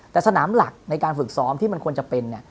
แต่สนามหลักในการฝึกซ้อมที่มันควรจะเป็น